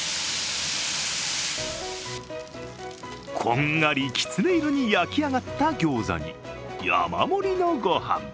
こんがりきつね色に焼き上がったギョーザに山盛りのご飯。